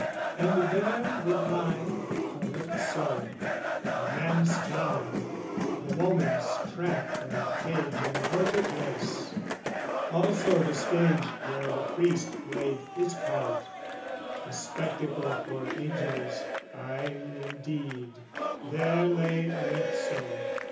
And there would lie Arezzo, the man's town, The woman's trap and cage and torture place, Also the stage where the priest played his part, A spectacle for angels, ay, indeed, There lay Arezzo!